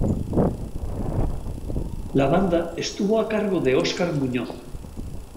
La banda estuvo a cargo de Oscar Muñoz.